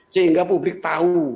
sehingga publik tahu